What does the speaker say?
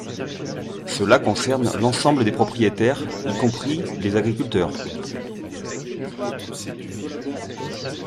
Cela concerne l’ensemble des propriétaires, y compris les agriculteurs.